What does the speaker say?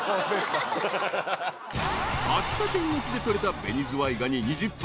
［秋田県沖で取れた紅ズワイガニ２０杯爆買い］